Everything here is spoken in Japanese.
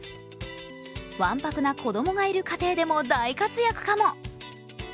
わんぱくな子供がいる家庭でも大活躍かも。